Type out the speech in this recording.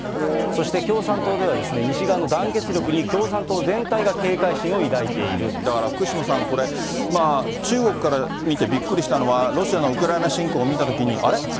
そして共産党では、西側の団結力に、共産党全体が警戒心を抱いてだから福島さん、これ、中国から見てびっくりしたのは、ロシアのウクライナ侵攻を見たときに、あれ？